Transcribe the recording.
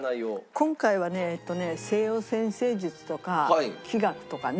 今回はねえっとね西洋占星術とか気学とかね